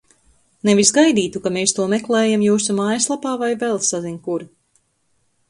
Nevis gaidītu, ka mēs to meklējam jūsu mājaslapā vai vēl sazin kur.